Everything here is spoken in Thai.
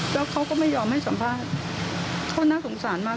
แล้วเขาก็ไม่ยอมให้สัมภาษณ์เขาน่าสงสารมาก